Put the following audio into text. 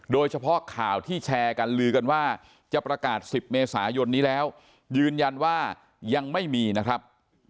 โดยเฉพาะข่าวที่แชร์กันลือกันว่าจะประกาศ๑๐เมษายนนี้แล้วยืนยันว่ายังไม่มีนะครับ